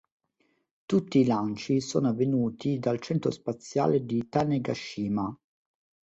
Tutti i lanci sono avvenuti dal centro spaziale di Tanegashima.